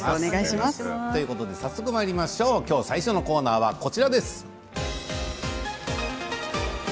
今日、最初のコーナーはこちらです。